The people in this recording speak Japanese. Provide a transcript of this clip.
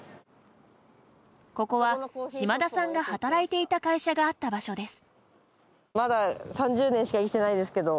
ここは島田さんが働いていた会社があった場所です。